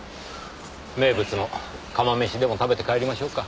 名物の釜飯でも食べて帰りましょうか。